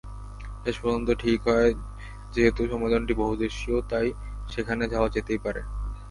শেষ পর্যন্ত ঠিক হয়, যেহেতু সম্মেলনটি বহুদেশীয়, তাই সেখানে যাওয়া যেতেই পারে।